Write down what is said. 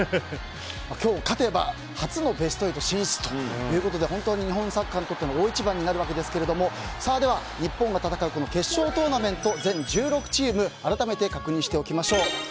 今日勝てば初のベスト８進出ということで本当に日本サッカーにとっての大一番になるわけですけどもでは、日本が戦う決勝トーナメント全１６チームを改めて確認しておきましょう。